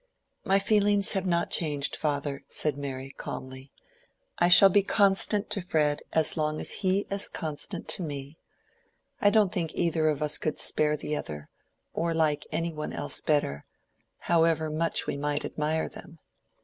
"My feelings have not changed, father," said Mary, calmly. "I shall be constant to Fred as long as he is constant to me. I don't think either of us could spare the other, or like any one else better, however much we might admire them.